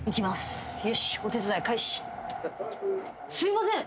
すいません。